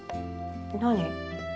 何？